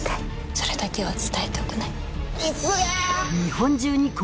それだけは伝えておくね。